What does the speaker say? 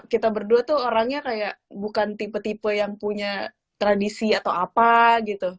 kita berdua tuh orangnya kayak bukan tipe tipe yang punya tradisi atau apa gitu